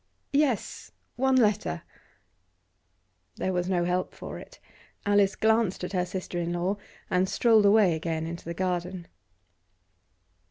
'Yes, one letter.' There was no help for it. Alice glanced at her sister in law, and strolled away again into the garden.